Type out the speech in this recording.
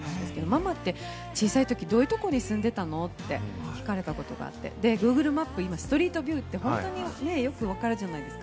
ママって小さいとき、どういうとこに住んでたの？って聞かれたことがあってＧｏｏｇｌｅマップ、今、ストリートビューって本当によく分かるじゃないですか。